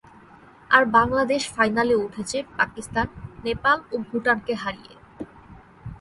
আর বাংলাদেশ ফাইনালে উঠেছে পাকিস্তান, নেপাল ও ভুটানকে হারিয়ে।